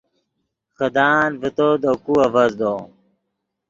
خدان ڤے تو آڤزدو